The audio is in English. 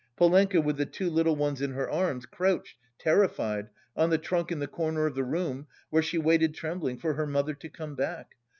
Polenka with the two little ones in her arms crouched, terrified, on the trunk in the corner of the room, where she waited trembling for her mother to come back.